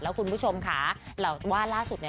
แล้วคุณผู้ชมค่ะว่าล่าสุดเนี่ย